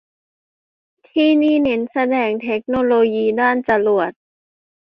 ที่นี่เน้นแสดงเทคโนโลยีด้านจรวด